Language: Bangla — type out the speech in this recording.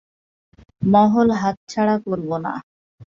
মহল হাতছাড়া করবো না।